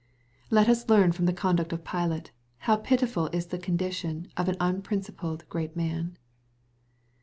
Let us learn from the conduct of Pilate, how pitiful is the condition of an unprincipled great man.